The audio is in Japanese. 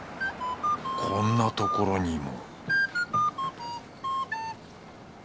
こんなところにも